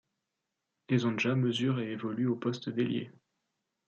Hezonja mesure et évolue au poste d'ailier.